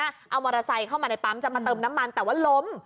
เอามอเตอร์ไซค์เข้ามาในปั๊มจะมาเติมน้ำมันแต่ว่าล้ม